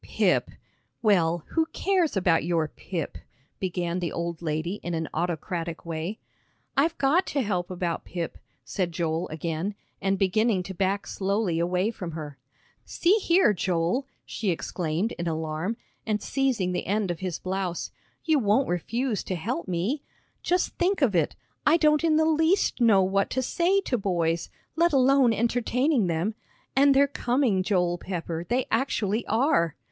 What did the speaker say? "Pip! Well, who cares about your Pip?" began the old lady in an autocratic way. "I've got to help about Pip," said Joel again, and beginning to back slowly away from her. "See here, Joel!" she exclaimed in alarm, and seizing the end of his blouse, "you won't refuse to help me? Just think of it, I don't in the least know what to say to boys, let alone entertaining them and they're coming, Joel Pepper, they actually are!"